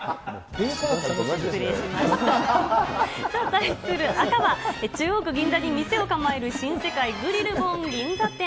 対する赤は、中央区銀座に店を構える新世界グリル梵銀座店。